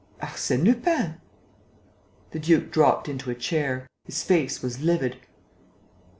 "Arsène Lupin." The duke dropped into a chair. His face was livid.